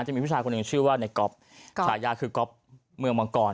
จะมีผู้ชายคนหนึ่งชื่อว่าในก๊อฟฉายาคือก๊อฟเมืองมังกร